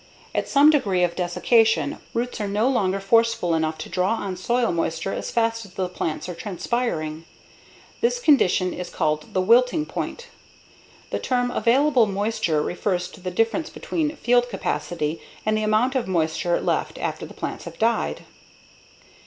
At some degree of desiccation, roots are no longer forceful enough to draw on soil moisture as fast as the plants are transpiring. This condition is called the "wilting point." The term "available moisture" refers to the difference between field capacity and the amount of moisture left after the plants have died.